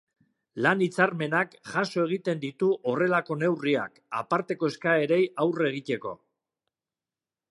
Lan-hitzarmenak jaso egiten ditu horrelako neurriak, aparteko eskaerei aurre egiteko.